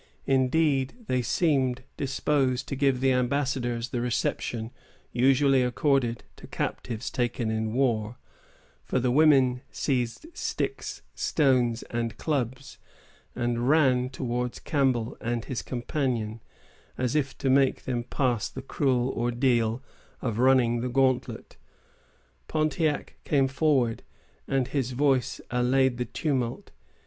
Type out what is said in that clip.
Indeed, they seemed disposed to give the ambassadors the reception usually accorded to captives taken in war; for the women seized sticks, stones, and clubs, and ran towards Campbell and his companion, as if to make them pass the cruel ordeal of running the gauntlet. Pontiac came forward, and his voice allayed the tumult.